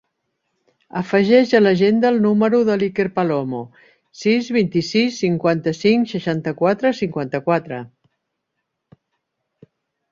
Afegeix a l'agenda el número de l'Iker Palomo: sis, vint-i-sis, cinquanta-cinc, seixanta-quatre, cinquanta-quatre.